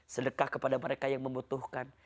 sedekah kepada mereka yang membutuhkan